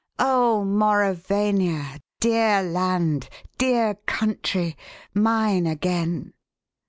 "Oh, Mauravania! Dear land. Dear country. Mine again!"